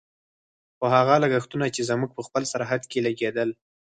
خو هغه لګښتونه چې زموږ په خپل سرحد کې لګېدل.